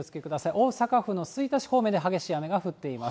大阪府の吹田市方面で激しい雨が降っています。